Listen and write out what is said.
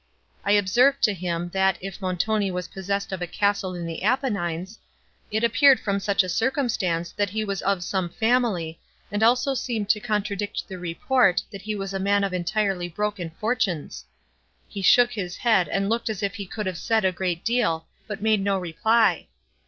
I observed to him, that, if Montoni was possessed of a castle in the Apennines, it appeared from such a circumstance, that he was of some family, and also seemed to contradict the report, that he was a man of entirely broken fortunes. He shook his head, and looked as if he could have said a great deal, but made no reply.